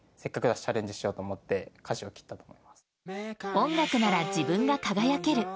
音楽なら自分が輝ける。